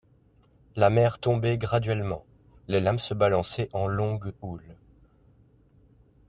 La mer tombait graduellement, les lames se balançaient en longues houles.